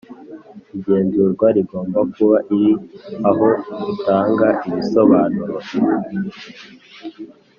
Igenzurwa rigomba kuba iri aho utanga ibisobanuro